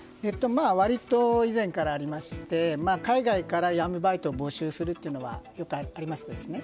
割と以前からありまして海外から闇バイト募集することはよくありますね。